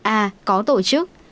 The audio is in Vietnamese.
a có tổ chức